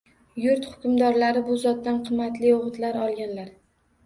Yurt hukmdorlari bu zotdan qimmatli o‘gitlar olganlar.